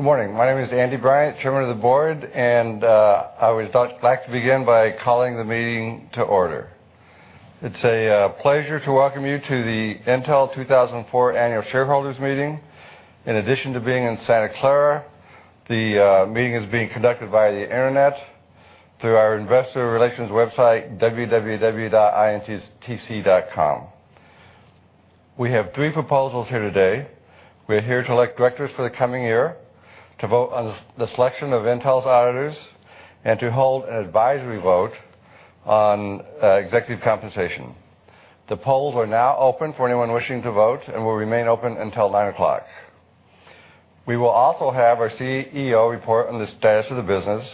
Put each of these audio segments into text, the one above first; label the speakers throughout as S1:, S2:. S1: Good morning. My name is Andy Bryant, Chairman of the Board, and I would like to begin by calling the meeting to order. It's a pleasure to welcome you to the Intel 2004 annual shareholders meeting. In addition to being in Santa Clara, the meeting is being conducted via the internet through our investor relations website, www.intc.com. We have three proposals here today. We are here to elect directors for the coming year, to vote on the selection of Intel's auditors, and to hold an advisory vote on executive compensation. The polls are now open for anyone wishing to vote and will remain open until nine o'clock. We will also have our CEO report on the status of the business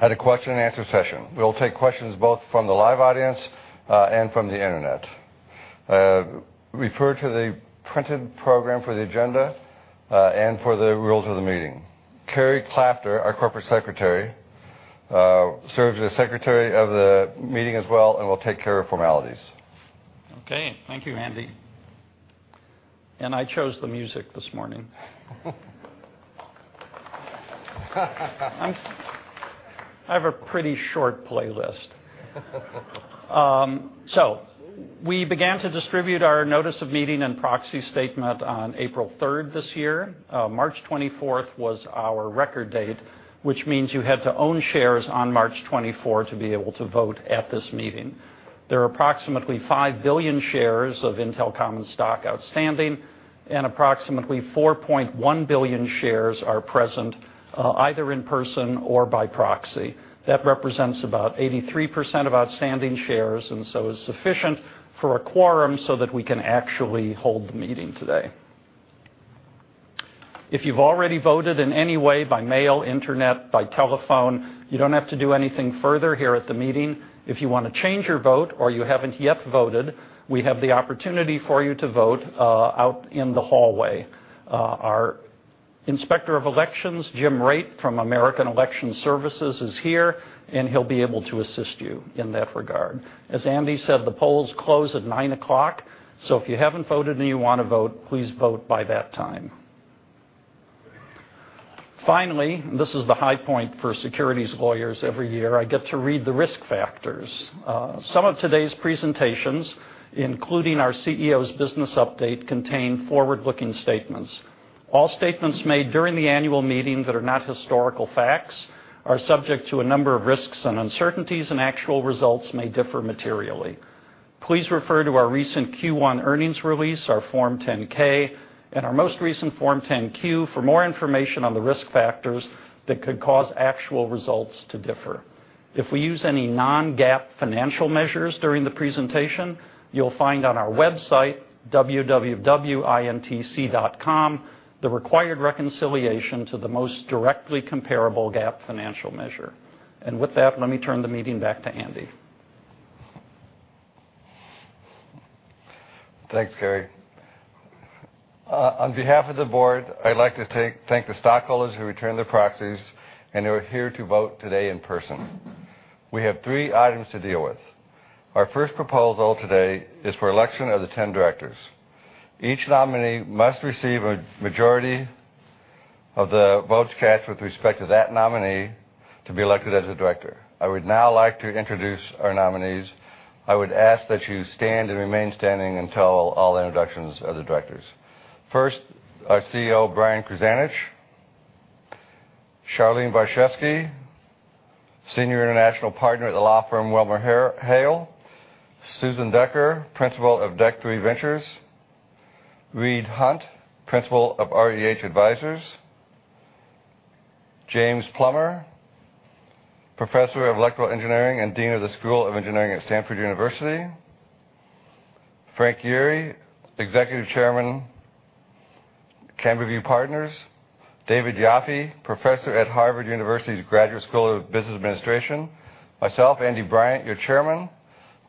S1: and a question and answer session. We will take questions both from the live audience and from the internet. Refer to the printed program for the agenda, and for the rules of the meeting. Cary Klafter, our Corporate Secretary, serves as secretary of the meeting as well, and will take care of formalities.
S2: Okay. Thank you, Andy. I chose the music this morning. I have a pretty short playlist. We began to distribute our notice of meeting and proxy statement on April 3rd this year. March 24th was our record date, which means you had to own shares on March 24 to be able to vote at this meeting. There are approximately five billion shares of Intel common stock outstanding, and approximately 4.1 billion shares are present either in person or by proxy. That represents about 83% of outstanding shares, is sufficient for a quorum so that we can actually hold the meeting today. If you've already voted in any way, by mail, internet, by telephone, you don't have to do anything further here at the meeting. If you want to change your vote or you haven't yet voted, we have the opportunity for you to vote out in the hallway. Our Inspector of Elections, Jim Raitt from American Election Services, is here, and he'll be able to assist you in that regard. As Andy said, the polls close at nine o'clock. If you haven't voted and you want to vote, please vote by that time. Finally, this is the high point for securities lawyers every year, I get to read the risk factors. Some of today's presentations, including our CEO's business update, contain forward-looking statements. All statements made during the annual meeting that are not historical facts are subject to a number of risks and uncertainties, and actual results may differ materially. Please refer to our recent Q1 earnings release, our Form 10-K, and our most recent Form 10-Q for more information on the risk factors that could cause actual results to differ. If we use any non-GAAP financial measures during the presentation, you'll find on our website, www.intc.com, the required reconciliation to the most directly comparable GAAP financial measure. With that, let me turn the meeting back to Andy.
S1: Thanks, Cary. On behalf of the board, I'd like to thank the stockholders who returned their proxies and who are here to vote today in person. We have three items to deal with. Our first proposal today is for election of the 10 directors. Each nominee must receive a majority of the votes cast with respect to that nominee to be elected as a director. I would now like to introduce our nominees. I would ask that you stand and remain standing until all introductions of the directors. First, our CEO, Brian Krzanich. Charlene Barshefsky, Senior International Partner at the law firm WilmerHale. Susan Decker, Principal of Deck3 Ventures. Reed Hundt, Principal of REH Advisors. James Plummer, Professor of Electrical Engineering and Dean of the School of Engineering at Stanford University. Frank Yeary, Executive Chairman, CamberView Partners. David Yoffie, Professor at Harvard University's Graduate School of Business Administration. Myself, Andy Bryant, your Chairman.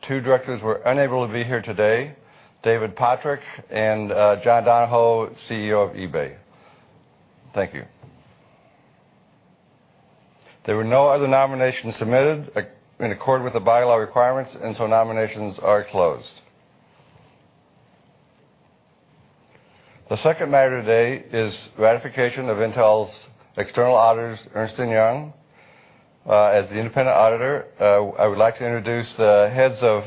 S1: Two directors were unable to be here today, David Pottruck and John Donahoe, CEO of eBay. Thank you. There were no other nominations submitted in accord with the bylaw requirements, so nominations are closed. The second matter today is ratification of Intel's external auditors, Ernst & Young. As the independent auditor, I would like to introduce the heads of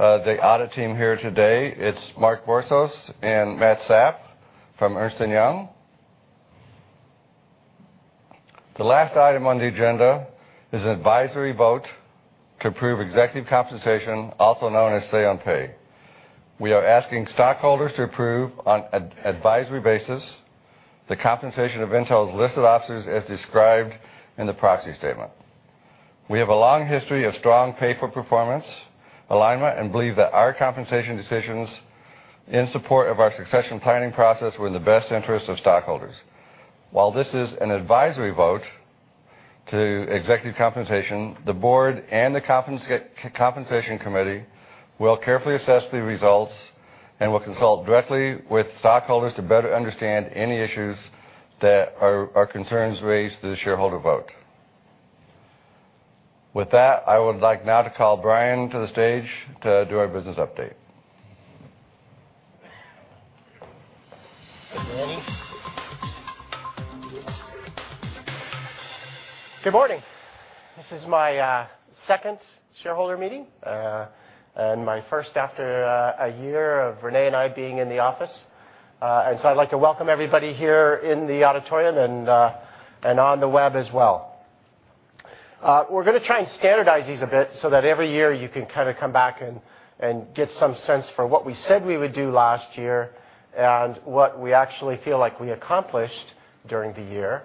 S1: the audit team here today. It's Mark Borsos and Matt Sapp from Ernst & Young. The last item on the agenda is an advisory vote to approve executive compensation, also known as say-on-pay. We are asking stockholders to approve on an advisory basis the compensation of Intel's listed officers as described in the proxy statement. We have a long history of strong pay for performance alignment and believe that our compensation decisions in support of our succession planning process were in the best interest of stockholders. While this is an advisory vote to executive compensation, the board and the compensation committee will carefully assess the results and will consult directly with stockholders to better understand any issues that are concerns raised through the shareholder vote. With that, I would like now to call Brian to the stage to do our business update.
S3: Good morning. This is my second shareholder meeting, and my first after a year of Renée and I being in the office. I'd like to welcome everybody here in the auditorium and on the web as well. We're going to try and standardize these a bit so that every year you can come back and get some sense for what we said we would do last year and what we actually feel like we accomplished during the year.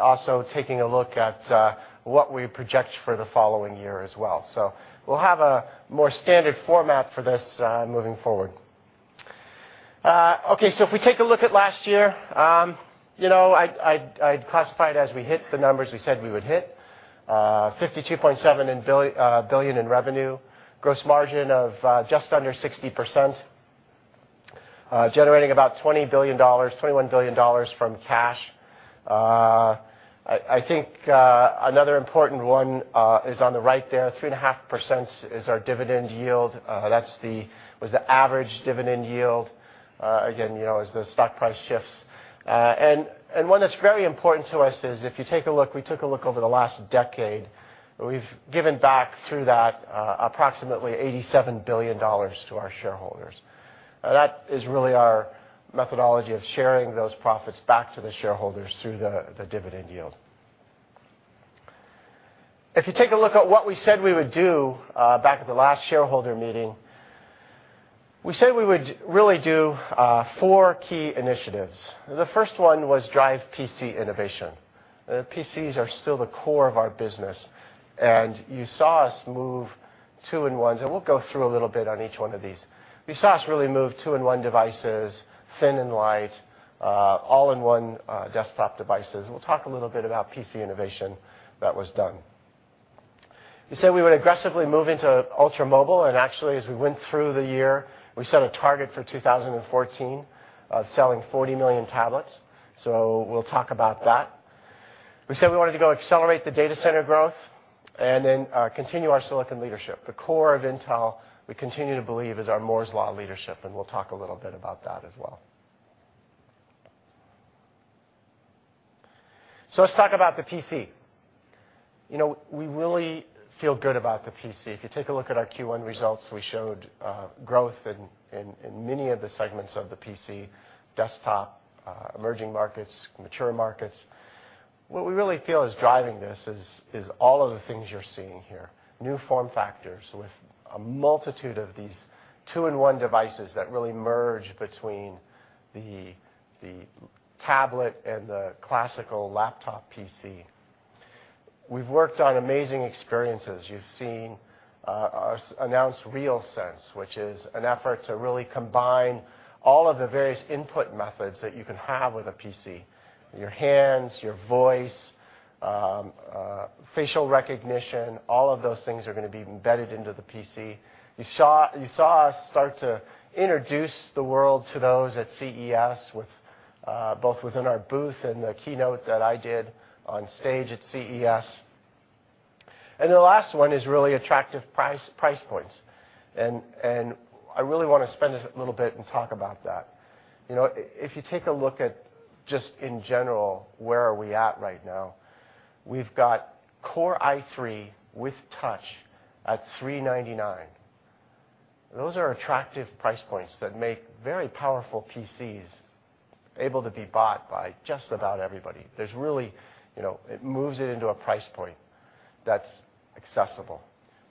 S3: Also taking a look at what we project for the following year as well. We'll have a more standard format for this moving forward. If we take a look at last year, I'd classify it as we hit the numbers we said we would hit. $52.7 billion in revenue, gross margin of just under 60%, generating about $21 billion from cash. I think another important one is on the right there, 3.5% is our dividend yield. That was the average dividend yield, again, as the stock price shifts. One that's very important to us is, if you take a look, we took a look over the last decade, we've given back through that approximately $87 billion to our shareholders. That is really our methodology of sharing those profits back to the shareholders through the dividend yield. If you take a look at what we said we would do back at the last shareholder meeting, we said we would really do four key initiatives. The first one was drive PC innovation. PCs are still the core of our business, and you saw us move 2-in-1s, and we'll go through a little bit on each one of these. You saw us really move 2-in-1 devices, thin and light, all-in-one desktop devices, and we'll talk a little bit about PC innovation that was done. We said we would aggressively move into ultra-mobile, and actually, as we went through the year, we set a target for 2014 of selling 40 million tablets, so we'll talk about that. We said we wanted to go accelerate the data center growth and then continue our silicon leadership. The core of Intel, we continue to believe, is our Moore's Law leadership. We'll talk a little bit about that as well. Let's talk about the PC. We really feel good about the PC. If you take a look at our Q1 results, we showed growth in many of the segments of the PC, desktop, emerging markets, mature markets. What we really feel is driving this is all of the things you're seeing here. New form factors with a multitude of these 2-in-1 devices that really merge between the tablet and the classical laptop PC. We've worked on amazing experiences. You've seen us announce RealSense, which is an effort to really combine all of the various input methods that you can have with a PC. Your hands, your voice, facial recognition, all of those things are going to be embedded into the PC. You saw us start to introduce the world to those at CES, both within our booth and the keynote that I did on stage at CES. The last one is really attractive price points. I really want to spend a little bit and talk about that. If you take a look at just in general, where are we at right now? We've got Core i3 with touch at $399. Those are attractive price points that make very powerful PCs able to be bought by just about everybody. It moves it into a price point that's accessible.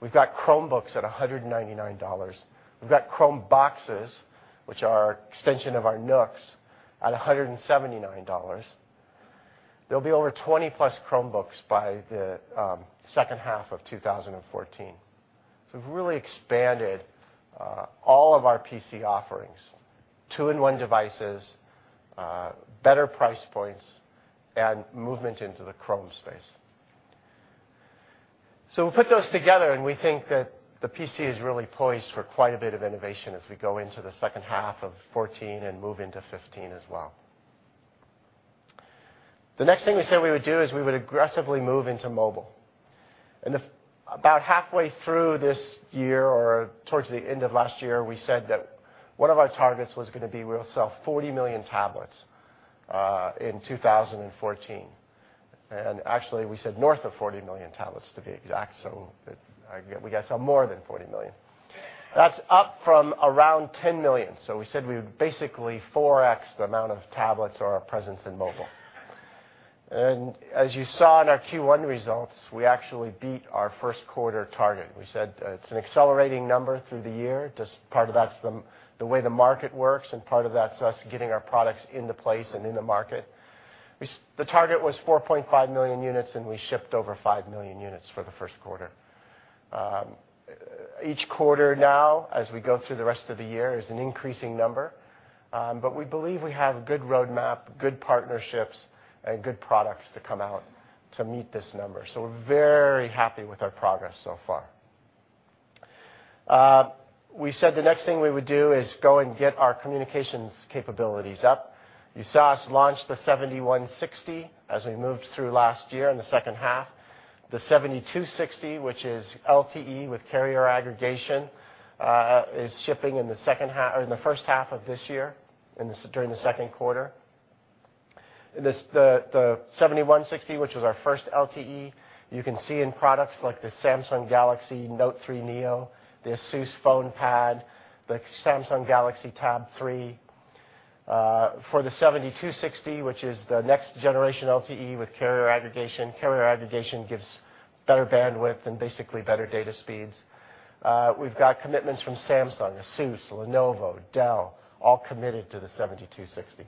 S3: We've got Chromebooks at $199. We've got Chromeboxes, which are an extension of our NUCs, at $179. There'll be over 20+ Chromebooks by the second half of 2014. We've really expanded all of our PC offerings, 2-in-1 devices, better price points, and movement into the Chrome space. We put those together, and we think that the PC is really poised for quite a bit of innovation as we go into the second half of 2014 and move into 2015 as well. The next thing we said we would do is we would aggressively move into mobile. About halfway through this year or towards the end of last year, we said that one of our targets was going to be we'll sell 40 million tablets in 2014. Actually, we said north of 40 million tablets, to be exact, we got to sell more than 40 million. That's up from around 10 million. We said we would basically 4x the amount of tablets or our presence in mobile. As you saw in our Q1 results, we actually beat our first quarter target. We said it's an accelerating number through the year. Just part of that's the way the market works, and part of that's us getting our products into place and in the market. The target was 4.5 million units, and we shipped over 5 million units for the first quarter. Each quarter now, as we go through the rest of the year, is an increasing number. We believe we have a good roadmap, good partnerships, and good products to come out to meet this number. We're very happy with our progress so far. We said the next thing we would do is go and get our communications capabilities up. You saw us launch the 7160 as we moved through last year in the second half. The 7260, which is LTE with carrier aggregation, is shipping in the first half of this year, during the second quarter. The 7160, which was our first LTE, you can see in products like the Samsung Galaxy Note 3 Neo, the Asus Fonepad, the Samsung Galaxy Tab 3. For the 7260, which is the next-generation LTE with carrier aggregation. Carrier aggregation gives better bandwidth and basically better data speeds. We've got commitments from Samsung, Asus, Lenovo, Dell, all committed to the 7260.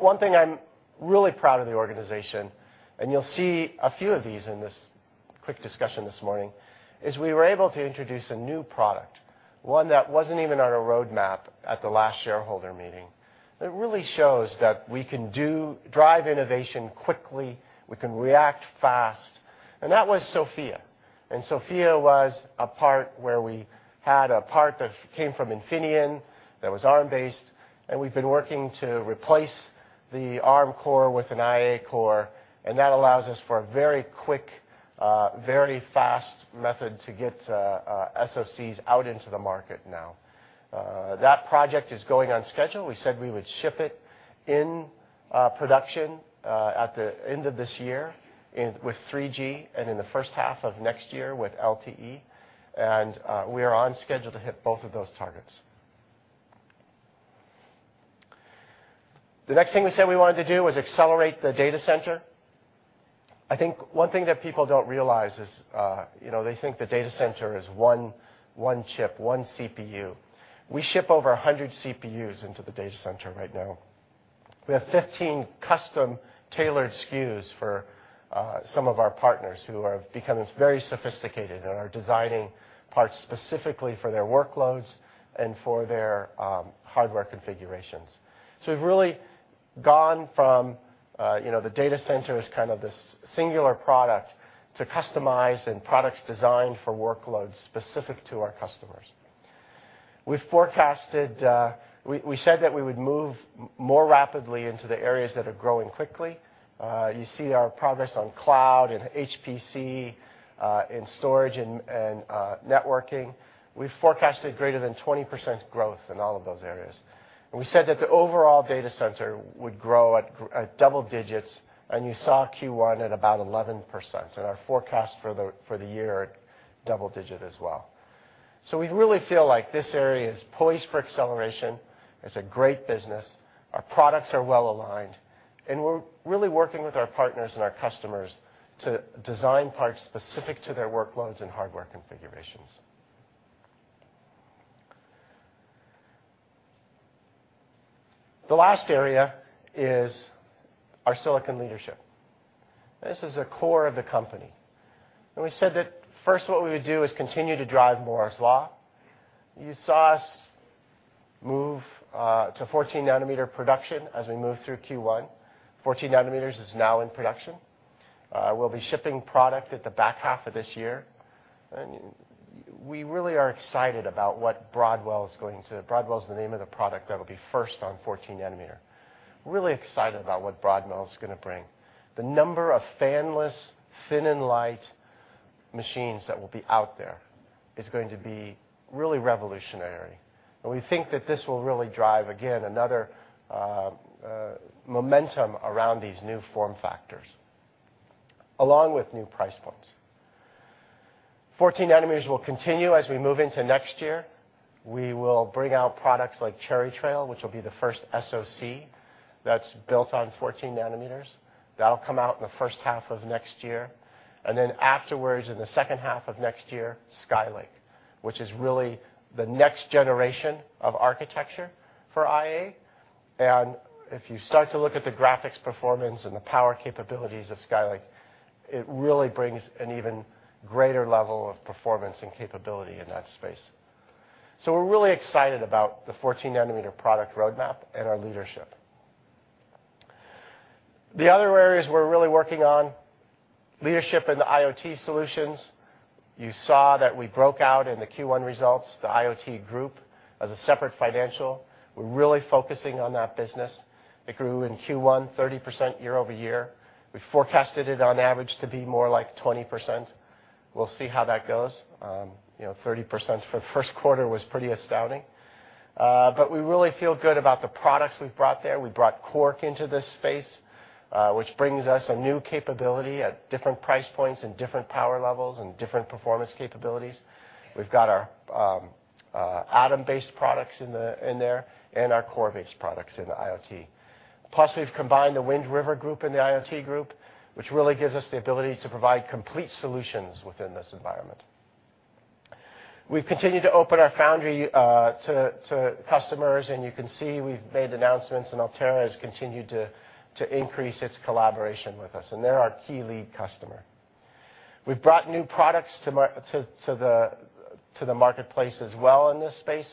S3: One thing I'm really proud of the organization, and you'll see a few of these in this quick discussion this morning, is we were able to introduce a new product, one that wasn't even on a roadmap at the last shareholder meeting. It really shows that we can drive innovation quickly, we can react fast, and that was SoFIA. SoFIA was a part where we had a part that came from Infineon that was Arm-based, and we've been working to replace the Arm core with an IA core, and that allows us for a very quick, very fast method to get SoCs out into the market now. That project is going on schedule. We said we would ship it in production at the end of this year with 3G and in the first half of next year with LTE. We are on schedule to hit both of those targets. The next thing we said we wanted to do was accelerate the data center. I think one thing that people don't realize is they think the data center is one chip, one CPU. We ship over 100 CPUs into the data center right now. We have 15 custom-tailored SKUs for some of our partners who have become very sophisticated and are designing parts specifically for their workloads and for their hardware configurations. We've really gone from the data center as kind of this singular product to customized and products designed for workloads specific to our customers. We said that we would move more rapidly into the areas that are growing quickly. You see our progress on cloud and HPC, in storage and networking. We forecasted greater than 20% growth in all of those areas. We said that the overall data center would grow at double digits, and you saw Q1 at about 11%, and our forecast for the year at double digit as well. We really feel like this area is poised for acceleration. It's a great business. Our products are well-aligned, and we're really working with our partners and our customers to design parts specific to their workloads and hardware configurations. The last area is our silicon leadership. This is a core of the company. We said that first what we would do is continue to drive Moore's Law. You saw us move to 14-nanometer production as we moved through Q1. 14-nanometer is now in production. We'll be shipping product at the back half of this year. We really are excited about what Broadwell's the name of the product that will be first on 14-nanometer. Really excited about what Broadwell's going to bring. The number of fanless, thin and light machines that will be out there is going to be really revolutionary, and we think that this will really drive, again, another momentum around these new form factors, along with new price points. 14-nanometer will continue as we move into next year. We will bring out products like Cherry Trail, which will be the first SOC that's built on 14-nanometer. That'll come out in the first half of next year. Then afterwards, in the second half of next year, Skylake, which is really the next generation of architecture for IA. If you start to look at the graphics performance and the power capabilities of Skylake, it really brings an even greater level of performance and capability in that space. We're really excited about the 14-nanometer product roadmap and our leadership. The other areas we're really working on, leadership in the IoT solutions. You saw that we broke out in the Q1 results, the IoT group, as a separate financial. We're really focusing on that business. It grew in Q1 30% year-over-year. We forecasted it on average to be more like 20%. We'll see how that goes. 30% for the first quarter was pretty astounding. We really feel good about the products we've brought there. We brought Quark into this space, which brings us a new capability at different price points and different power levels and different performance capabilities. We've got our Atom-based products in there and our Core-based products in the IoT. We've combined the Wind River group and the IoT group, which really gives us the ability to provide complete solutions within this environment. We've continued to open our foundry to customers, you can see we've made announcements, Altera has continued to increase its collaboration with us, and they're our key lead customer. We've brought new products to the marketplace as well in this space.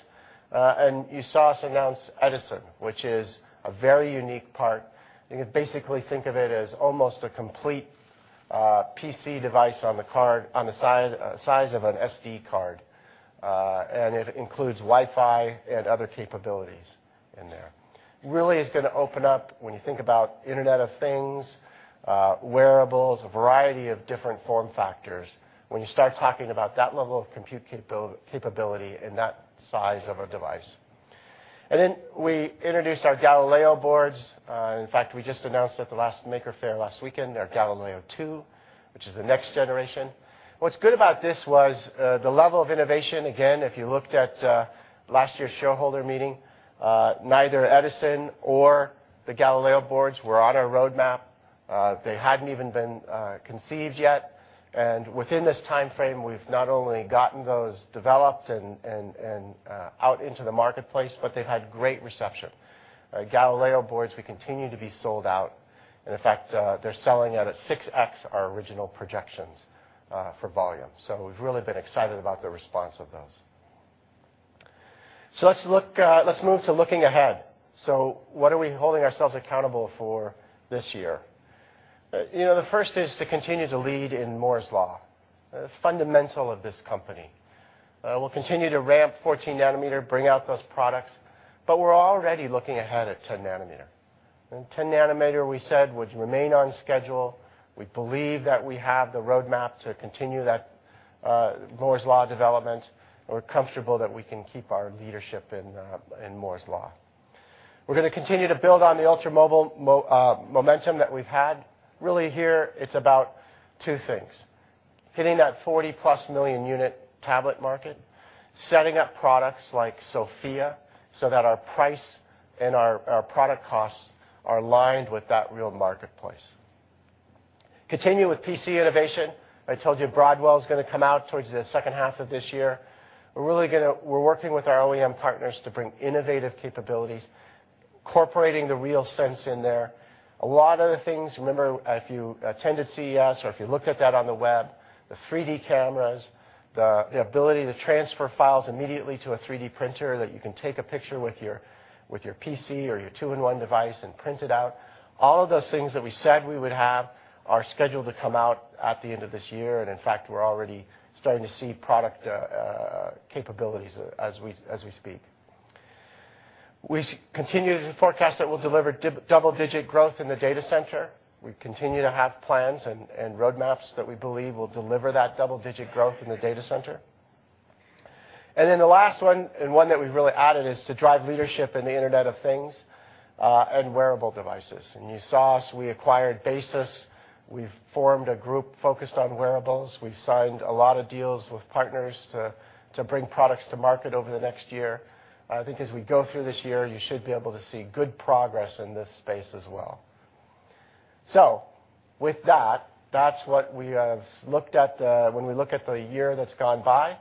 S3: You saw us announce Edison, which is a very unique part. You can basically think of it as almost a complete PC device on the size of an SD card. It includes Wi-Fi and other capabilities in there. Really, it's going to open up when you think about Internet of Things, wearables, a variety of different form factors when you start talking about that level of compute capability in that size of a device. We introduced our Galileo boards. In fact, we just announced at the last Maker Faire last weekend, our Galileo Gen 2, which is the next generation. What's good about this was, the level of innovation, again, if you looked at last year's shareholder meeting, neither Edison or the Galileo boards were on our roadmap. They hadn't even been conceived yet. Within this timeframe, we've not only gotten those developed and out into the marketplace, but they've had great reception. Galileo boards will continue to be sold out, and in fact, they're selling at 6x our original projections for volume. We've really been excited about the response of those. Let's move to looking ahead. What are we holding ourselves accountable for this year? The first is to continue to lead in Moore's Law, the fundamental of this company. We'll continue to ramp 14-nanometer, bring out those products, but we're already looking ahead at 10 nanometer. 10 nanometer, we said, would remain on schedule. We believe that we have the roadmap to continue that Moore's Law development. We're comfortable that we can keep our leadership in Moore's Law. We're going to continue to build on the ultra-mobile momentum that we've had. Really here, it's about two things, hitting that 40-plus million unit tablet market, setting up products like SoFIA so that our price and our product costs are aligned with that real marketplace. Continue with PC innovation. I told you Broadwell is going to come out towards the second half of this year. We're working with our OEM partners to bring innovative capabilities, incorporating the RealSense in there. A lot of the things, remember, if you attended CES or if you looked at that on the web, the 3D cameras, the ability to transfer files immediately to a 3D printer, that you can take a picture with your PC or your 2-in-1 device and print it out. All of those things that we said we would have are scheduled to come out at the end of this year. In fact, we're already starting to see product capabilities as we speak. We continue to forecast that we'll deliver double-digit growth in the data center. We continue to have plans and roadmaps that we believe will deliver that double-digit growth in the data center. The last one, and one that we've really added, is to drive leadership in the Internet of Things and wearable devices. You saw us. We acquired Basis. We've formed a group focused on wearables. We've signed a lot of deals with partners to bring products to market over the next year. I think as we go through this year, you should be able to see good progress in this space as well. That's what we have looked at when we look at the year that's gone by,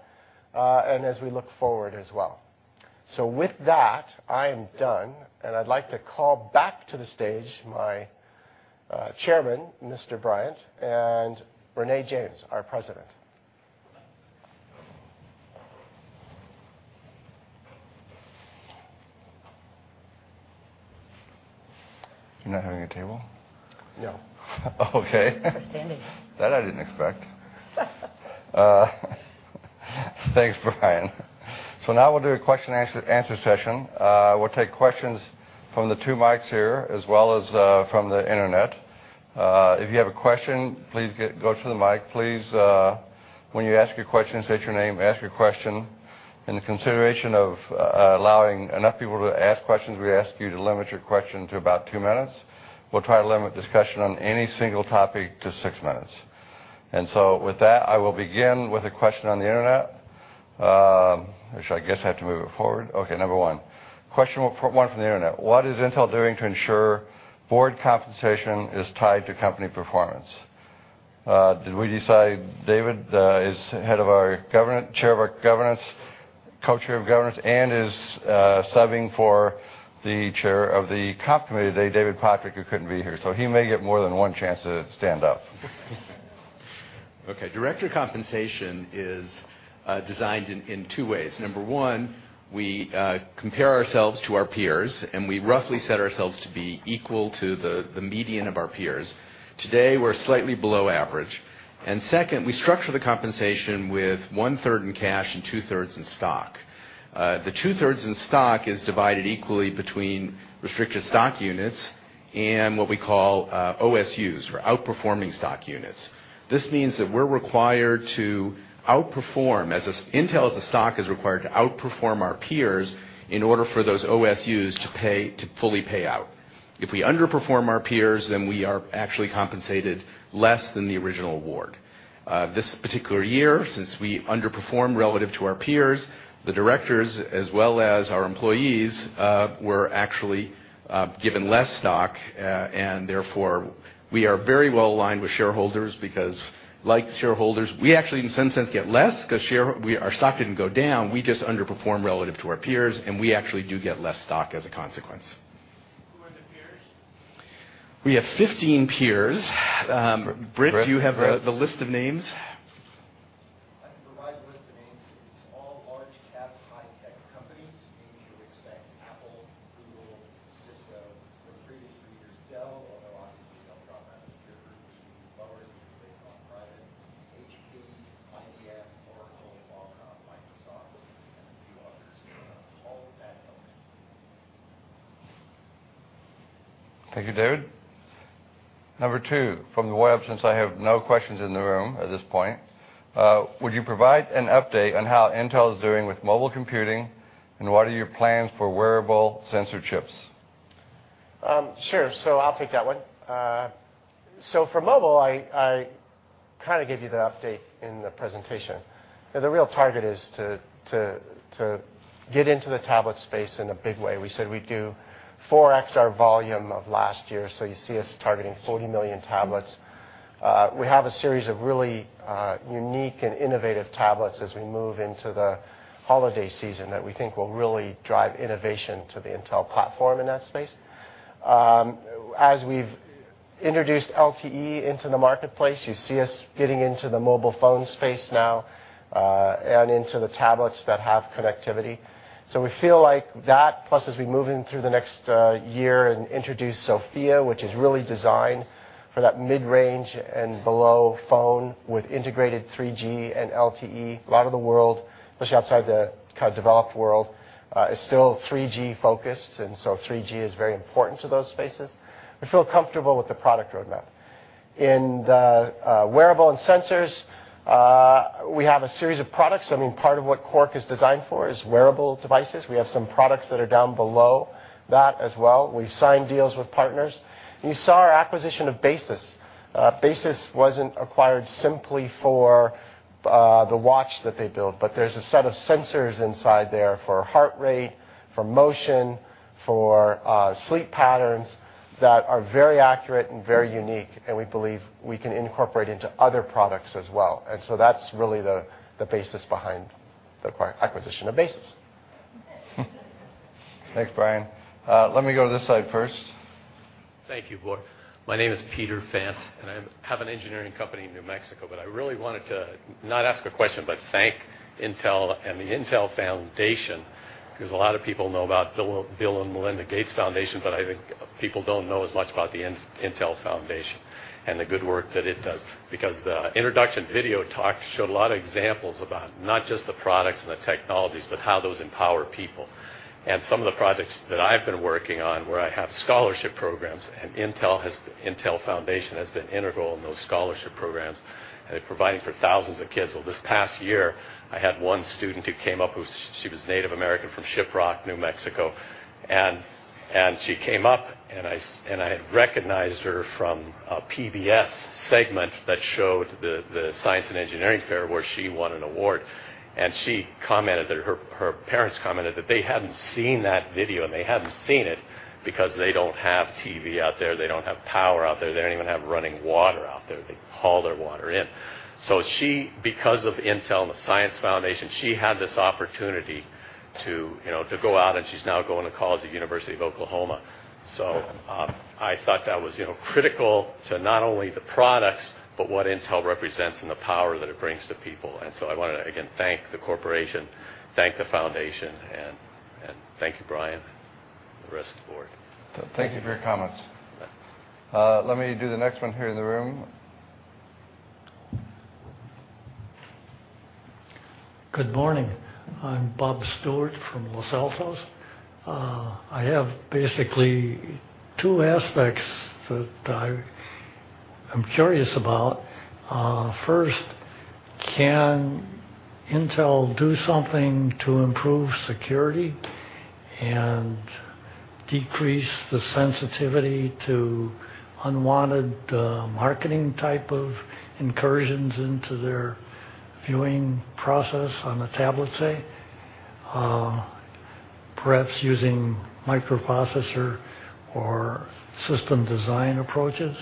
S3: and as we look forward as well. I am done, and I'd like to call back to the stage my chairman, Mr. Bryant, and Renée James, our president.
S1: You're not having a table?
S3: No.
S1: Okay.
S4: Standing.
S1: That I didn't expect. Thanks, Brian. Now we'll do a question and answer session. We'll take questions from the two mics here as well as from the internet. If you have a question, please go to the mic. Please, when you ask your question, state your name, ask your question. In the consideration of allowing enough people to ask questions, we ask you to limit your question to about two minutes. We'll try to limit discussion on any single topic to six minutes. With that, I will begin with a question on the internet. Actually, I guess I have to move it forward. Okay, number one. Question one from the internet. What is Intel doing to ensure board compensation is tied to company performance? Did we decide David, is chair of our governance, co-chair of governance, and is subbing for the chair of the comp committee today, David Pottruck, who couldn't be here. He may get more than one chance to stand up.
S4: Okay. Director compensation is designed in two ways. Number one, we compare ourselves to our peers, and we roughly set ourselves to be equal to the median of our peers. Today, we're slightly below average. Second, we structure the compensation with one-third in cash and two-thirds in stock. The two-thirds in stock is divided equally between restricted stock units and what we call OSUs or Outperforming Stock Units. This means that we're required to outperform, Intel as a stock is required to outperform our peers in order for those OSUs to fully pay out. If we underperform our peers, we are actually compensated less than the original award. This particular year, since we underperformed relative to our peers, the directors, as well as our employees, were actually given less stock. Therefore, we are very well aligned with shareholders because, like shareholders, we actually in some sense get less because our stock didn't go down. We just underperformed relative to our peers, and we actually do get less stock as a consequence.
S1: We have 15 peers. Brit, do you have the list of names?
S5: I can provide the list of names. It's all large cap, high tech companies. Names you would expect. Apple, Google, Cisco, from previous years, Dell, although obviously they'll drop out of the peer group to lower because they've gone private. HP, IBM, Oracle, Qualcomm, Microsoft, and a few others. All of that noted.
S1: Thank you, David. Number 2, from the web, since I have no questions in the room at this point, would you provide an update on how Intel is doing with mobile computing, and what are your plans for wearable sensor chips?
S3: Sure. I'll take that one. For mobile, I kind of gave you the update in the presentation, and the real target is to get into the tablet space in a big way. We said we'd do 4x our volume of last year, you see us targeting 40 million tablets. We have a series of really unique and innovative tablets as we move into the holiday season that we think will really drive innovation to the Intel platform in that space. As we've introduced LTE into the marketplace, you see us getting into the mobile phone space now, and into the tablets that have connectivity. We feel like that, plus as we move in through the next year and introduce SoFIA, which is really designed for that mid-range and below phone with integrated 3G and LTE. A lot of the world, especially outside the developed world, is still 3G-focused, 3G is very important to those spaces. We feel comfortable with the product roadmap. In the wearable and sensors, we have a series of products. Part of what Quark is designed for is wearable devices. We have some products that are down below that as well. We've signed deals with partners. You saw our acquisition of Basis. Basis wasn't acquired simply for the watch that they build, but there's a set of sensors inside there for heart rate, for motion, for sleep patterns that are very accurate and very unique, and we believe we can incorporate into other products as well. That's really the basis behind the acquisition of Basis.
S1: Thanks, Brian. Let me go to this side first.
S6: Thank you, board. My name is Peter Fant, I have an engineering company in New Mexico, I really wanted to not ask a question, but thank Intel and the Intel Foundation. A lot of people know about Bill & Melinda Gates Foundation, I think people don't know as much about the Intel Foundation and the good work that it does. The introduction video talk showed a lot of examples about not just the products and the technologies, but how those empower people. Some of the projects that I've been working on where I have scholarship programs and Intel Foundation has been integral in those scholarship programs providing for thousands of kids. This past year, I had one student who came up who, she was Native American from Shiprock, New Mexico. She came up, and I had recognized her from a PBS segment that showed the science and engineering fair where she won an award, her parents commented that they hadn't seen that video, and they hadn't seen it because they don't have TV out there. They don't have power out there. They don't even have running water out there. They haul their water in. She, because of Intel and the Science Foundation, she had this opportunity to go out, and she's now going to college at University of Oklahoma. I thought that was critical to not only the products, but what Intel represents and the power that it brings to people. I want to again thank the corporation, thank the foundation, and thank you, Brian, and the rest of the board.
S1: Thank you for your comments. Let me do the next one here in the room.
S7: Good morning. I'm Bob Stewart from Los Altos. I have basically two aspects that I'm curious about. First, can Intel do something to improve security and decrease the sensitivity to unwanted marketing type of incursions into their viewing process on a tablet, say, perhaps using microprocessor or system design approaches?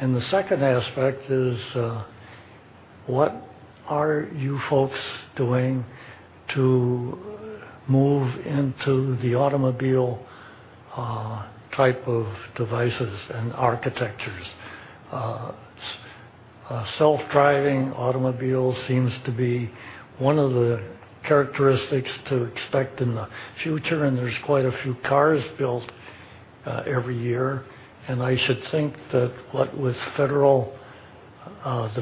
S7: The second aspect is, what are you folks doing to move into the automobile type of devices and architectures? Self-driving automobile seems to be one of the characteristics to expect in the future, there's quite a few cars built every year, I should think that what with the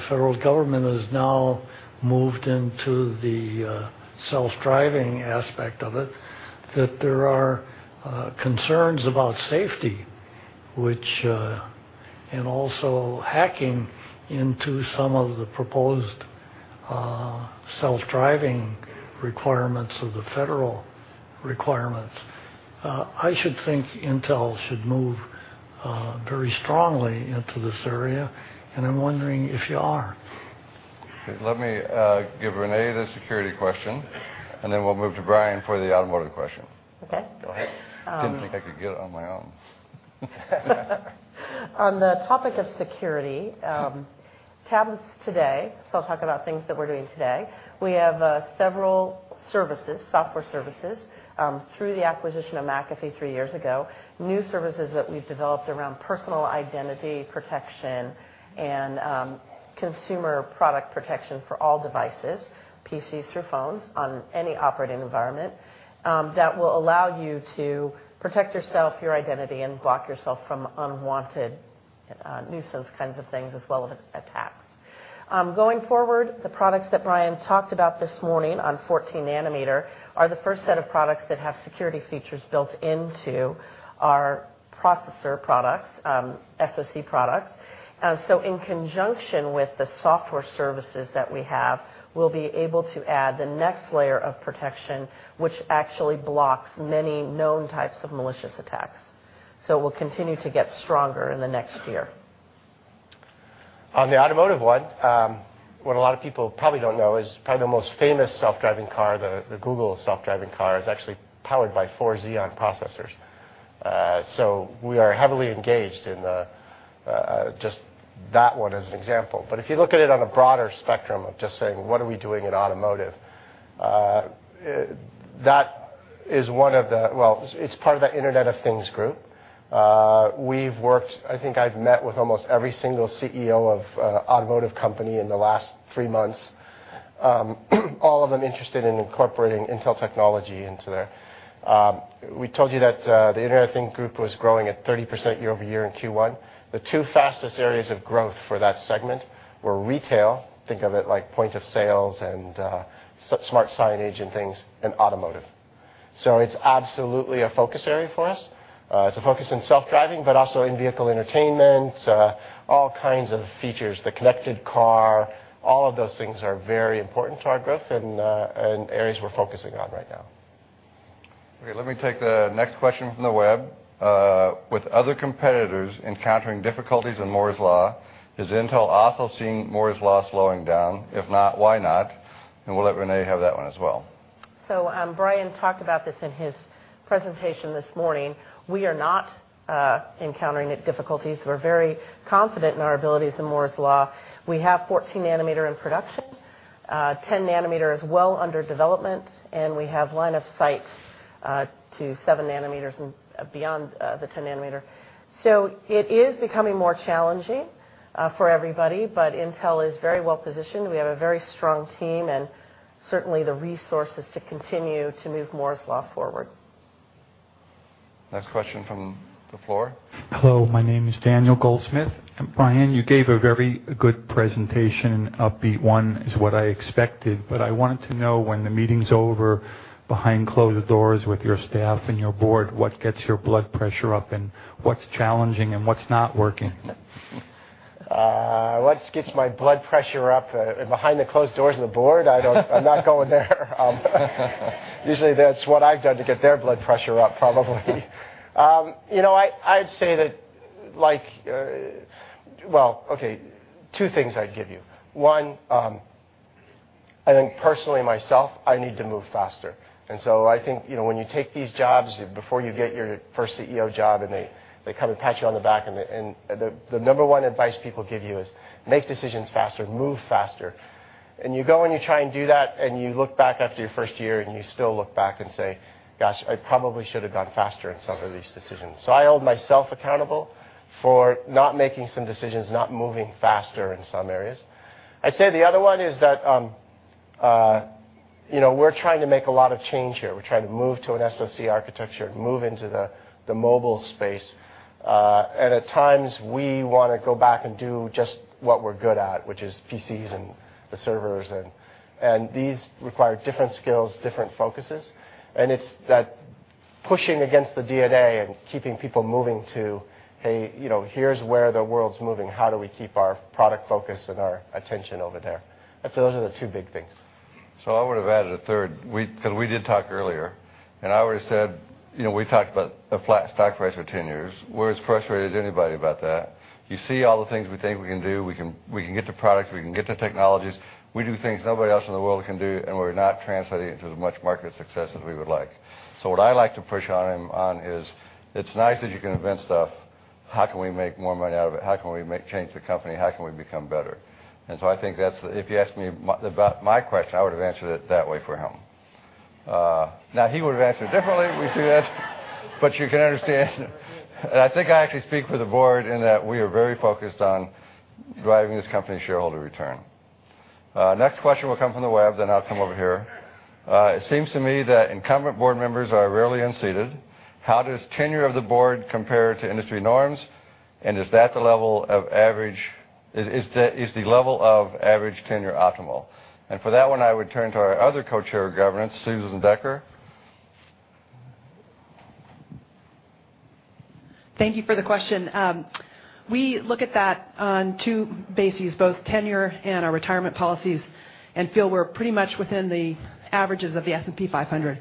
S7: federal government has now moved into the self-driving aspect of it, that there are concerns about safety, and also hacking into some of the proposed self-driving requirements of the federal requirements. I should think Intel should move very strongly into this area, and I'm wondering if you are.
S1: Okay. Let me give Renée the security question, and then we'll move to Brian for the automotive question.
S5: Okay. Go ahead. Didn't think I could get it on my own. On the topic of security, tablets today, I'll talk about things that we're doing today. We have several software services through the acquisition of McAfee three years ago, new services that we've developed around personal identity protection and consumer product protection for all devices, PCs through phones, on any operating environment, that will allow you to protect yourself, your identity, and block yourself from unwanted nuisance kinds of things as well as attacks. Going forward, the products that Brian talked about this morning on 14-nanometer are the first set of products that have security features built into our processor products, SoC products. In conjunction with the software services that we have, we'll be able to add the next layer of protection, which actually blocks many known types of malicious attacks. We'll continue to get stronger in the next year.
S3: On the automotive one, what a lot of people probably don't know is probably the most famous self-driving car, the Google self-driving car, is actually powered by four Xeon processors. We are heavily engaged in just that one as an example. If you look at it on a broader spectrum of just saying, what are we doing in automotive? It's part of the Internet of Things group. I think I've met with almost every single CEO of automotive company in the last three months, all of them interested in incorporating Intel technology into their We told you that the Internet of Things group was growing at 30% year-over-year in Q1. The two fastest areas of growth for that segment were retail, think of it like point of sales and smart signage and things, and automotive. It's absolutely a focus area for us. It's a focus in self-driving, also in vehicle entertainment, all kinds of features. The connected car, all of those things are very important to our growth and areas we're focusing on right now.
S1: Let me take the next question from the web. With other competitors encountering difficulties in Moore's Law, is Intel also seeing Moore's Law slowing down? If not, why not? We'll let Renée have that one as well.
S5: Brian talked about this in his presentation this morning. We are not encountering difficulties. We're very confident in our abilities in Moore's Law. We have 14-nanometer in production, 10 nanometer is well under development, and we have line of sight to seven nanometers and beyond the 10 nanometer. It is becoming more challenging for everybody, Intel is very well positioned. We have a very strong team and certainly the resources to continue to move Moore's Law forward.
S1: Next question from the floor.
S8: Hello, my name is Daniel Goldsmith. Brian, you gave a very good presentation, an upbeat one, is what I expected. I wanted to know, when the meeting's over, behind closed doors with your staff and your board, what gets your blood pressure up, and what's challenging and what's not working?
S3: What gets my blood pressure up behind the closed doors of the board? I'm not going there. Usually, that's what I've done to get their blood pressure up, probably. Two things I'd give you. One, I think personally myself, I need to move faster. I think, when you take these jobs, before you get your first CEO job, and they come and pat you on the back, the number one advice people give you is, make decisions faster, move faster. You go and you try and do that, and you look back after your first year, and you still look back and say, "Gosh, I probably should have gone faster in some of these decisions." I hold myself accountable for not making some decisions, not moving faster in some areas. I'd say the other one is that we're trying to make a lot of change here. We're trying to move to an SoC architecture, move into the mobile space. At times, we want to go back and do just what we're good at, which is PCs and the servers. These require different skills, different focuses. It's that pushing against the DNA and keeping people moving to, hey, here's where the world's moving. How do we keep our product focus and our attention over there? Those are the two big things.
S1: I would have added a third, because we did talk earlier. I would have said, we talked about a flat stock price for 10 years. We're as frustrated as anybody about that. You see all the things we think we can do. We can get to products, we can get to technologies. We do things nobody else in the world can do, and we're not translating it into as much market success as we would like. What I like to push on him on is, it's nice that you can invent stuff. How can we make more money out of it? How can we change the company? How can we become better? I think if you asked me about my question, I would have answered it that way for him. Now, he would have answered differently. We see that. You can understand. I think I actually speak for the board in that we are very focused on driving this company shareholder return. Next question will come from the web, then I'll come over here. It seems to me that incumbent board members are rarely unseated. How does tenure of the board compare to industry norms? Is the level of average tenure optimal? For that one, I would turn to our other co-chair of governance, Susan Decker.
S9: Thank you for the question. We look at that on two bases, both tenure and our retirement policies, feel we're pretty much within the averages of the S&P 500.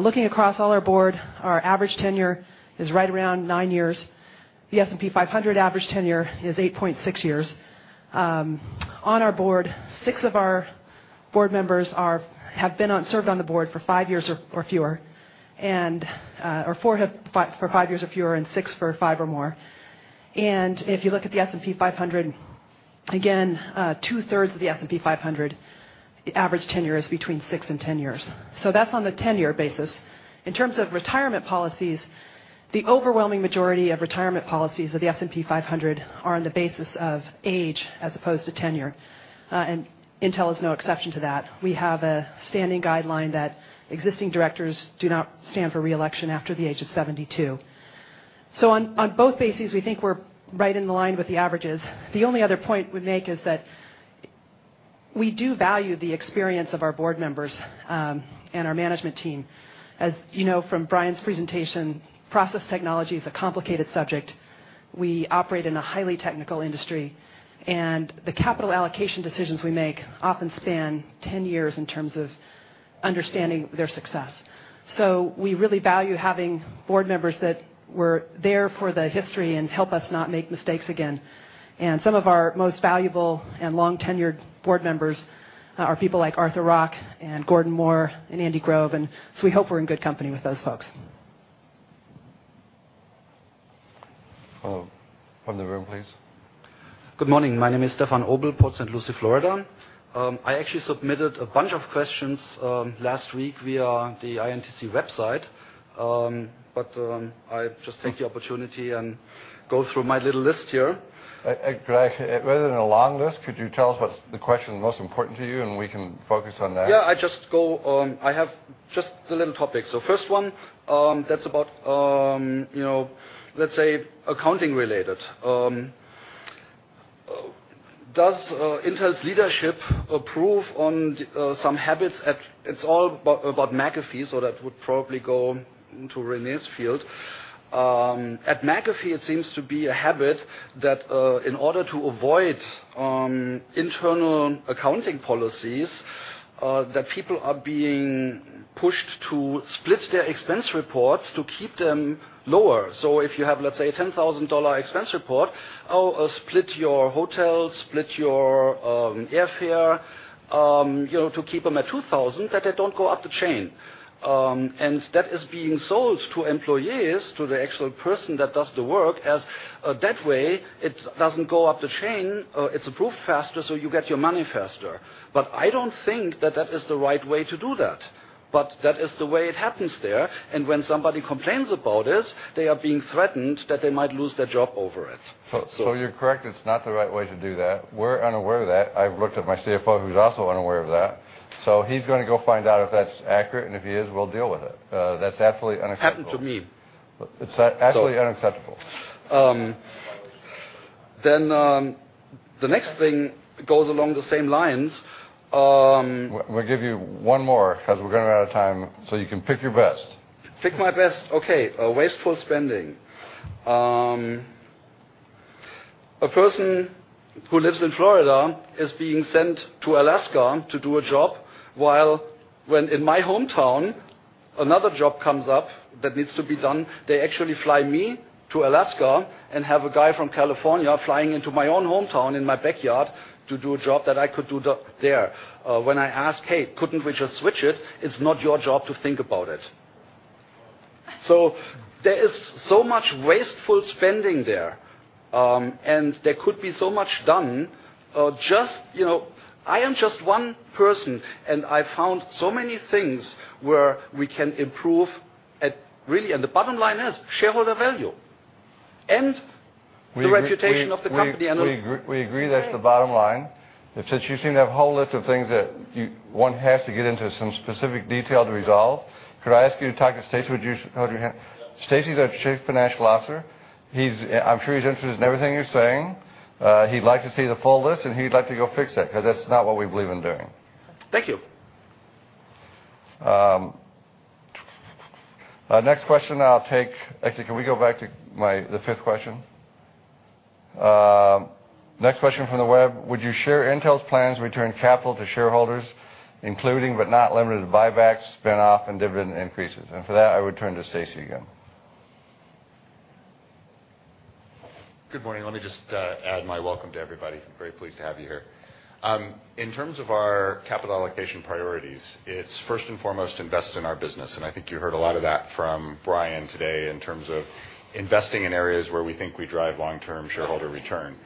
S9: Looking across all our board, our average tenure is right around nine years. The S&P 500 average tenure is 8.6 years. On our board, six of our Board members have served on the board for five years or fewer, four for five years or fewer and six for five or more. If you look at the S&P 500, again, two-thirds of the S&P 500, the average tenure is between six and 10 years. That's on the tenure basis. In terms of retirement policies, the overwhelming majority of retirement policies of the S&P 500 are on the basis of age as opposed to tenure. Intel is no exception to that. We have a standing guideline that existing directors do not stand for re-election after the age of 72. On both bases, we think we're right in the line with the averages. The only other point we'd make is that we do value the experience of our board members and our management team. As you know from Brian's presentation, process technology is a complicated subject. We operate in a highly technical industry, and the capital allocation decisions we make often span 10 years in terms of understanding their success. We really value having board members that were there for the history and help us not make mistakes again. Some of our most valuable and long-tenured board members are people like Arthur Rock and Gordon Moore and Andy Grove, we hope we're in good company with those folks.
S1: From the room, please.
S10: Good morning. My name is Stefan Obol, Port St. Lucie, Florida. I actually submitted a bunch of questions last week via the intc.com website. I just take the opportunity and go through my little list here.
S1: Rather than a long list, could you tell us what's the question most important to you, and we can focus on that?
S10: I have just a little topic. First one, that's about, let's say, accounting-related. Does Intel's leadership approve on some habits at-- It's all about McAfee, so that would probably go into Renée's field. At McAfee, it seems to be a habit that in order to avoid internal accounting policies, that people are being pushed to split their expense reports to keep them lower. If you have, let's say, a $10,000 expense report, split your hotel, split your airfare, to keep them at $2,000, that they don't go up the chain. That is being sold to employees, to the actual person that does the work, as that way it doesn't go up the chain. It's approved faster, so you get your money faster. I don't think that that is the right way to do that. That is the way it happens there, and when somebody complains about this, they are being threatened that they might lose their job over it.
S1: You're correct. It's not the right way to do that. We're unaware of that. I've looked at my CFO, who's also unaware of that. He's going to go find out if that's accurate, and if he is, we'll deal with it. That's absolutely unacceptable.
S10: It happened to me.
S1: It's absolutely unacceptable.
S10: The next thing goes along the same lines.
S1: We'll give you one more because we're going to run out of time, so you can pick your best.
S10: Pick my best. Okay. Wasteful spending. A person who lives in Florida is being sent to Alaska to do a job, while when in my hometown, another job comes up that needs to be done. They actually fly me to Alaska and have a guy from California flying into my own hometown in my backyard to do a job that I could do there. When I ask, "Hey, couldn't we just switch it?" "It's not your job to think about it." There is so much wasteful spending there, and there could be so much done. I am just one person, and I found so many things where we can improve at really. The bottom line is shareholder value and the reputation of the company and
S1: We agree that's the bottom line. Since you seem to have a whole list of things that one has to get into some specific detail to resolve, could I ask you to talk to Stacy? Would you hold your hand? Stacy's our Chief Financial Officer. I'm sure he's interested in everything you're saying. He'd like to see the full list, and he'd like to go fix it because that's not what we believe in doing.
S10: Thank you.
S1: Next question I'll take. Actually, can we go back to the fifth question? Next question from the web: Would you share Intel's plans to return capital to shareholders, including but not limited to buybacks, spin-off, and dividend increases? For that, I would turn to Stacy again.
S11: Good morning. Let me just add my welcome to everybody. I'm very pleased to have you here. In terms of our capital allocation priorities, it's first and foremost invest in our business, and I think you heard a lot of that from Brian today in terms of investing in areas where we think we drive long-term shareholder return.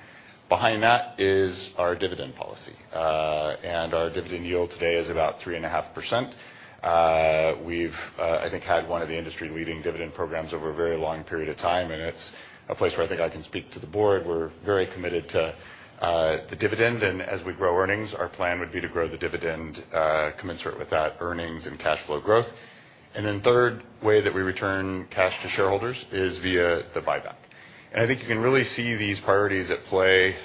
S11: Behind that is our dividend policy. Our dividend yield today is about 3.5%. We've, I think, had one of the industry-leading dividend programs over a very long period of time, and it's a place where I think I can speak to the board. We're very committed to the dividend, and as we grow earnings, our plan would be to grow the dividend commensurate with that earnings and cash flow growth. Then third way that we return cash to shareholders is via the buyback. I think you can really see these priorities at play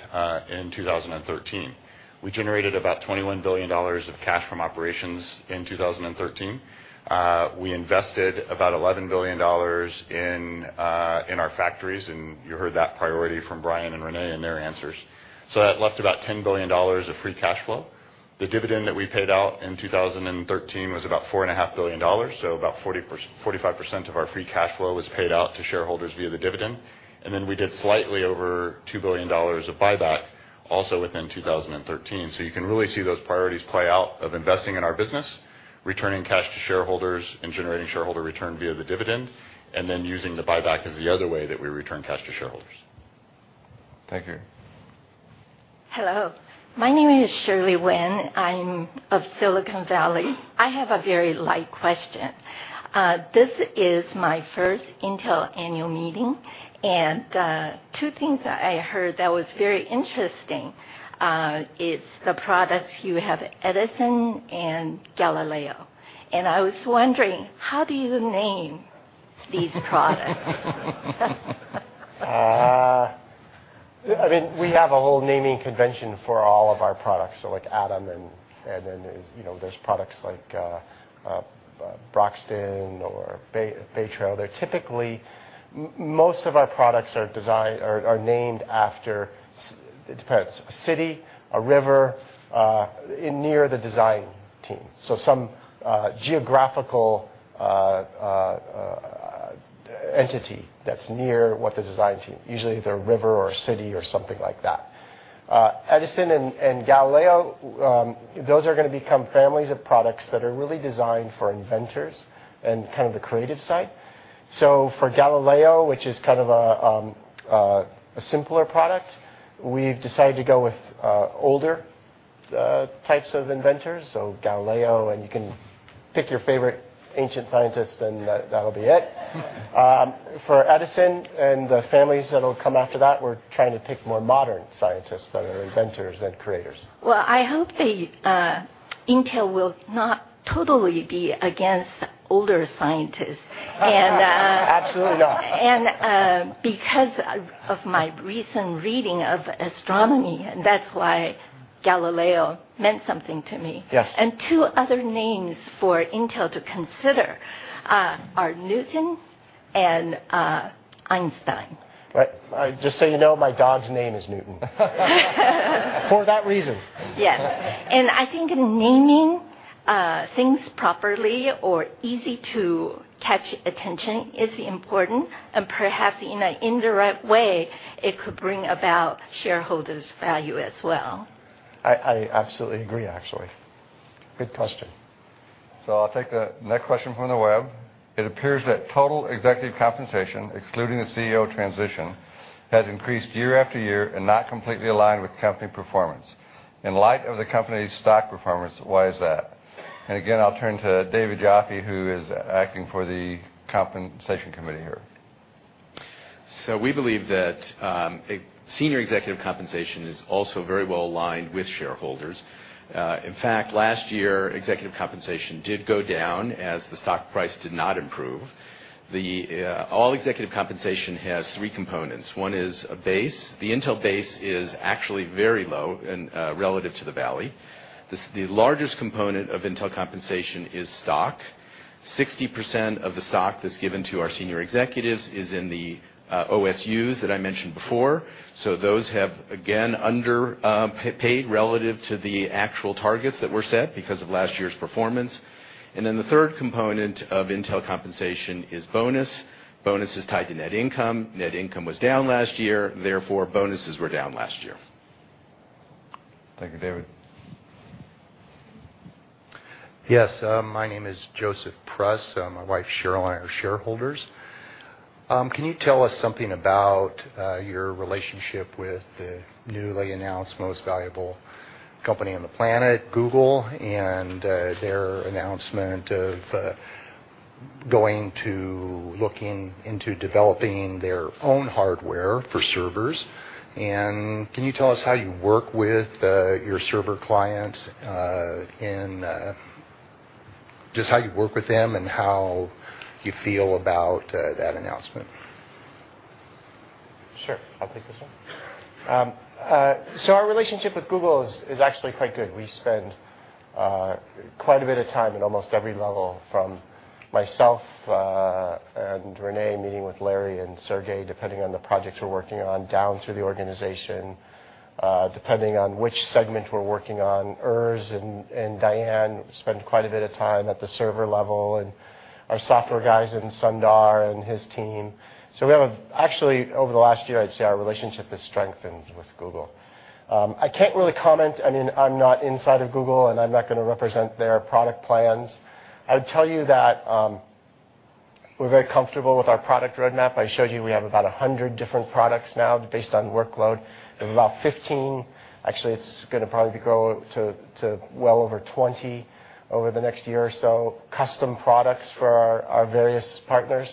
S11: in 2013. We generated about $21 billion of cash from operations in 2013. We invested about $11 billion in our factories, and you heard that priority from Brian and Renée in their answers. That left about $10 billion of free cash flow. The dividend that we paid out in 2013 was about $4.5 billion, so about 45% of our free cash flow was paid out to shareholders via the dividend. Then we did slightly over $2 billion of buyback. Also within 2013. You can really see those priorities play out of investing in our business, returning cash to shareholders, and generating shareholder return via the dividend, and then using the buyback as the other way that we return cash to shareholders.
S1: Thank you.
S12: Hello. My name is Shirley Wynn. I'm of Silicon Valley. I have a very light question. This is my first Intel annual meeting. Two things that I heard that was very interesting is the products you have, Edison and Galileo. I was wondering, how do you name these products?
S3: We have a whole naming convention for all of our products, like Atom and then there's products like Broxton or Bay Trail. Most of our products are named after, it depends, a city, a river near the design team. Some geographical entity that's near the design team, usually they're a river or a city or something like that. Edison and Galileo, those are going to become families of products that are really designed for inventors and the creative side. For Galileo, which is a simpler product, we've decided to go with older types of inventors, so Galileo. You can pick your favorite ancient scientist, and that'll be it. For Edison and the families that'll come after that, we're trying to pick more modern scientists that are inventors and creators.
S12: Well, I hope Intel will not totally be against older scientists and-
S3: Absolutely not
S12: Because of my recent reading of astronomy, that's why Galileo meant something to me.
S3: Yes.
S12: Two other names for Intel to consider are Newton and Einstein.
S3: Right. Just so you know, my God's name is Newton. For that reason.
S12: Yes. I think naming things properly or easy to catch attention is important, and perhaps in an indirect way, it could bring about shareholders' value as well.
S3: I absolutely agree, actually. Good question.
S1: I'll take the next question from the web. It appears that total executive compensation, excluding the CEO transition, has increased year after year and not completely aligned with company performance. In light of the company's stock performance, why is that? Again, I'll turn to David Yoffie, who is acting for the compensation committee here.
S4: We believe that senior executive compensation is also very well-aligned with shareholders. In fact, last year, executive compensation did go down as the stock price did not improve. All executive compensation has three components. One is a base. The Intel base is actually very low and relative to the valley. The largest component of Intel compensation is stock. 60% of the stock that is given to our senior executives is in the OSUs that I mentioned before. Those have again underpaid relative to the actual targets that were set because of last year's performance. The third component of Intel compensation is bonus. Bonus is tied to net income. Net income was down last year, therefore, bonuses were down last year.
S1: Thank you, David.
S13: My name is Joseph Pruss. My wife Cheryl and I are shareholders. Can you tell us something about your relationship with the newly announced most valuable company on the planet, Google, and their announcement of going to look into developing their own hardware for servers? Can you tell us how you work with your server clients and just how you work with them and how you feel about that announcement?
S3: Sure, I'll take this one. Our relationship with Google is actually quite good. We spend quite a bit of time at almost every level, from myself and Renée meeting with Larry and Sergey, depending on the projects we're working on, down through the organization, depending on which segment we're working on. Urs and Diane spend quite a bit of time at the server level, and our software guys and Sundar and his team. Actually, over the last year, I'd say our relationship has strengthened with Google. I can't really comment, I'm not inside of Google, and I'm not going to represent their product plans. I would tell you that we're very comfortable with our product roadmap. I showed you we have about 100 different products now based on workload. We have about 15, actually, it's going to probably grow to well over 20 over the next year or so, custom products for our various partners.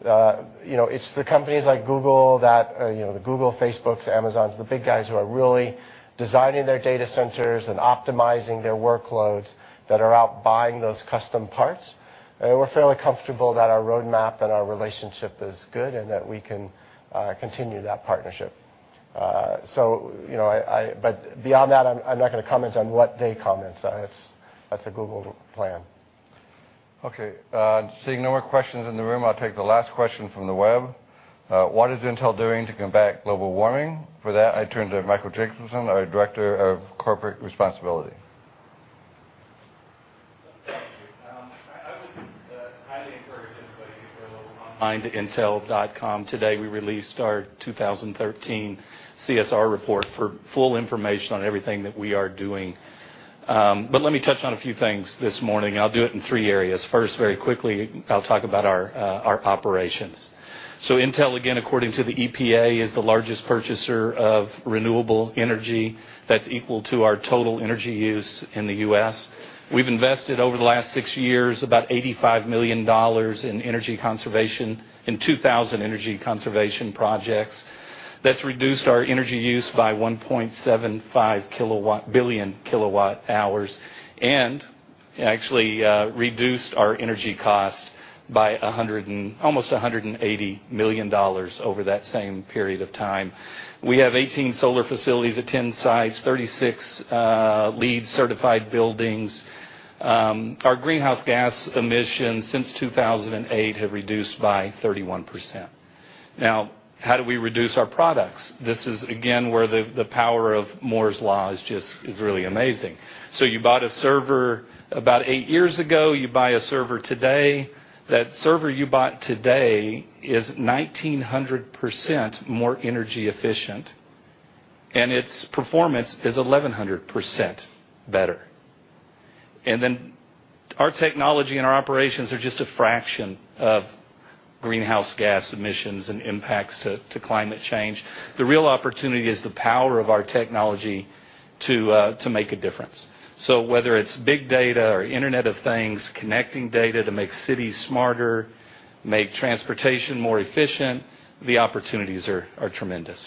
S3: It's the companies like Google that the Googles, Facebooks, Amazons, the big guys who are really designing their data centers and optimizing their workloads that are out buying those custom parts. We're fairly comfortable that our roadmap and our relationship is good and that we can continue that partnership. Beyond that, I'm not going to comment on what they comment on. That's a Google plan.
S1: Seeing no more questions in the room, I'll take the last question from the web. What is Intel doing to combat global warming? For that, I turn to Michael Jacobson, our Director of Corporate Responsibility.
S14: Encourage everybody if you're a little behind intel.com. Today, we released our 2013 CSR report for full information on everything that we are doing. Let me touch on a few things this morning. I'll do it in three areas. First, very quickly, I'll talk about our operations. Intel, again, according to the EPA, is the largest purchaser of renewable energy that's equal to our total energy use in the U.S. We've invested, over the last six years, about $85 million in energy conservation, in 2,000 energy conservation projects. That's reduced our energy use by 1.75 billion kilowatt hours, and actually reduced our energy cost by almost $180 million over that same period of time. We have 18 solar facilities at 10 sites, 36 LEED certified buildings. Our greenhouse gas emissions since 2008 have reduced by 31%. How do we reduce our products? This is again, where the power of Moore's Law is really amazing. You bought a server about eight years ago, you buy a server today, that server you bought today is 1,900% more energy efficient, and its performance is 1,100% better. Our technology and our operations are just a fraction of greenhouse gas emissions and impacts to climate change. The real opportunity is the power of our technology to make a difference. Whether it's big data or Internet of Things, connecting data to make cities smarter, make transportation more efficient, the opportunities are tremendous.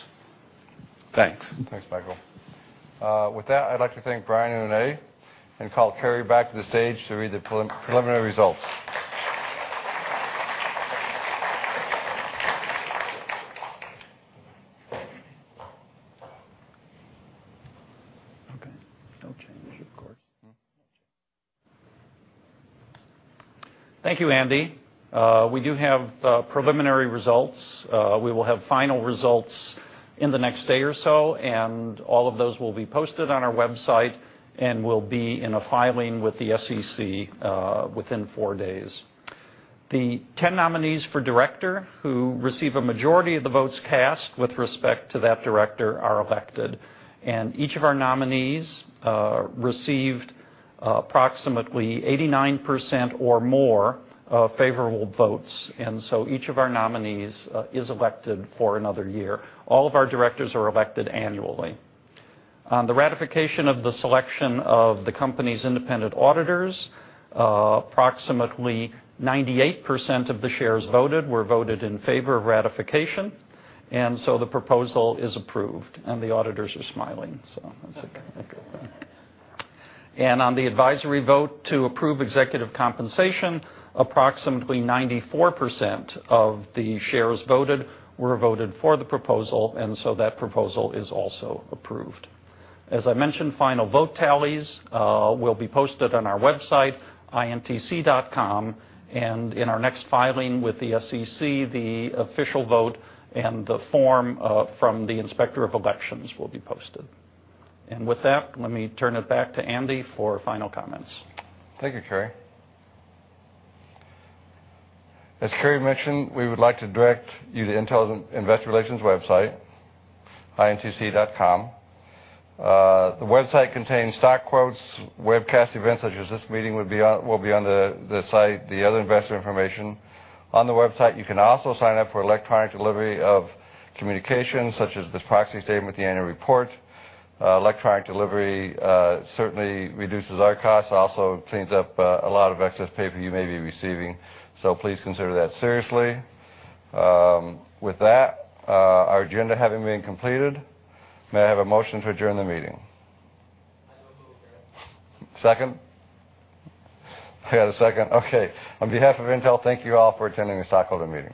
S14: Thanks.
S1: Thanks, Michael. With that, I'd like to thank Brian and Rene, and call Kerry back to the stage to read the preliminary results.
S2: Okay. No change, of course. Thank you, Andy. We do have preliminary results. We will have final results in the next day or so, and all of those will be posted on our website, and will be in a filing with the SEC within four days. The 10 nominees for director who receive a majority of the votes cast with respect to that director are elected, and each of our nominees received approximately 89% or more of favorable votes, and so each of our nominees is elected for another year. All of our directors are elected annually. On the ratification of the selection of the company's independent auditors, approximately 98% of the shares voted were voted in favor of ratification, and so the proposal is approved, and the auditors are smiling, so that's good.
S1: That's good.
S2: On the advisory vote to approve executive compensation, approximately 94% of the shares voted were voted for the proposal, and so that proposal is also approved. As I mentioned, final vote tallies will be posted on our website, intc.com, and in our next filing with the SEC, the official vote and the form from the Inspector of Elections will be posted. With that, let me turn it back to Andy for final comments.
S1: Thank you, Cary. As Cary mentioned, we would like to direct you to Intel's Investor Relations website, intc.com. The website contains stock quotes, webcast events such as this meeting will be on the site, the other investor information. On the website, you can also sign up for electronic delivery of communications, such as this proxy statement, the annual report. Electronic delivery certainly reduces our costs, also cleans up a lot of excess paper you may be receiving. Please consider that seriously. With that, our agenda having been completed, may I have a motion to adjourn the meeting?
S14: I so move, Cary.
S1: Second? I got a second. Okay. On behalf of Intel, thank you all for attending this stockholder meeting.